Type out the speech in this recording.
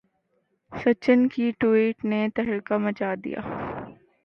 سچن کی ٹوئٹ نے تہلکہ مچا دیا